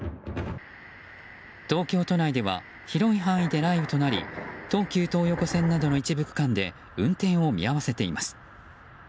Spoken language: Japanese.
東京都内では広い範囲で雷雨となり東急東横線などの一部区間で運転を見合わせています。